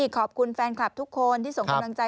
ขอบคุณแฟนคลับทุกคนที่ส่งกำลังใจ